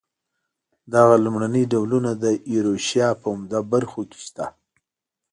دغه لومړني ډولونه د ایروشیا په عمده برخو کې شته.